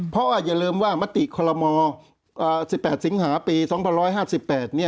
เพราะว่าอย่าลืมว่ามติคอลโลม๑๘สิงหาปี๒๕๘เนี่ย